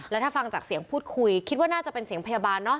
แล้วถ้าฟังจากเสียงพูดคุยคิดว่าน่าจะเป็นเสียงพยาบาลเนอะ